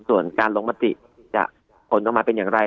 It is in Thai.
ส่วนการลงมติจะผลออกมาเป็นอย่างไร